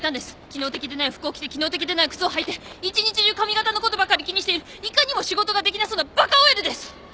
機能的でない服を着て機能的でない靴を履いて一日中髪型のことばかり気にしているいかにも仕事ができなそうなバカＯＬです！